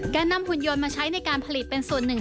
การนำหุ่นยนต์มาใช้ในการผลิตเป็นส่วนหนึ่ง